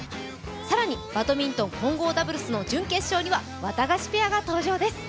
更にバドミントン混合ダブルスの準決勝にはワタガシペアが登場です。